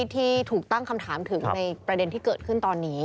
ที่ถูกตั้งคำถามถึงในประเด็นที่เกิดขึ้นตอนนี้